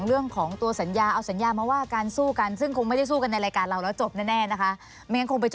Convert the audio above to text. ถึงอ่านมันก็ไม่เข้าใจ